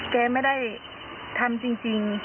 แกไม่ได้ทำจริง